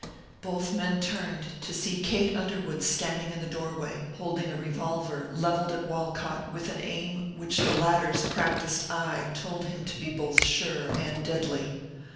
Both men turned, to see Kate Underwood standing in the doorway, holding a revolver levelled at Walcott with an aim which the latter's practised eye told him to be both sure and deadly.